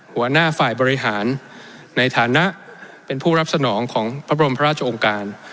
หัวหน้าฝ่ายบริหารในฐานะเป็นผู้รับสนองของพระบรมราชองค์การ